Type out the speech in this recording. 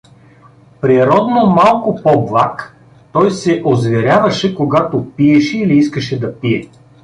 Природно малко по-благ, той се озверяваше, когато пиеше или искаше да пие.